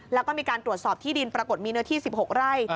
แล้วก็มีการตรวจสอบที่ดินปรากฏมีเนื้อที่๑๖ไร่